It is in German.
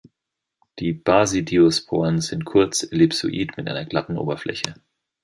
Die Basidiosporen sind kurz ellipsoid mit einer glatten Oberfläche.